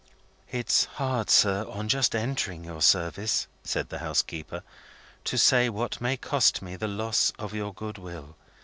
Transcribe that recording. "It's hard, sir, on just entering your service," said the housekeeper, "to say what may cost me the loss of your good will.